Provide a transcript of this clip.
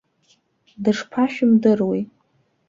Дышԥашәымдыруеи.